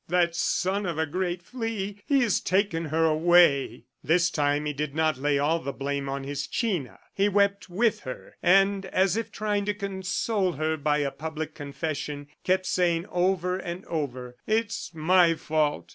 That son of a great flea ... has taken her away!" This time he did not lay all the blame on his China. He wept with her, and as if trying to console her by a public confession, kept saying over and over: "It is my fault.